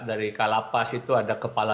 dari kalapas itu ada kepala